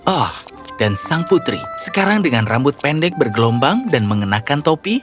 oh dan sang putri sekarang dengan rambut pendek bergelombang dan mengenakan topi